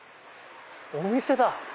お店だ。